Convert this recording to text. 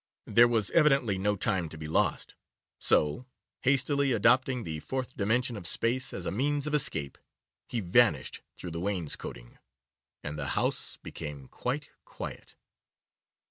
There was evidently no time to be lost, so, hastily adopting the Fourth Dimension of Space as a means of escape, he vanished through the wainscoting, and the house became quite quiet.